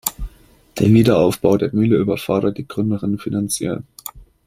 Der Wiederaufbau der Mühle überfordert die Gründerin finanziell.